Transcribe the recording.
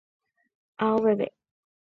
Aoveve